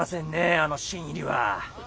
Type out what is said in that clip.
あの新入りは。